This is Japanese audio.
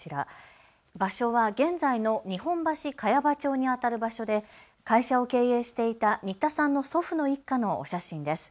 場所は現在の日本橋茅場町にあたる場所で会社を経営していた新田さんの祖父の一家のお写真です。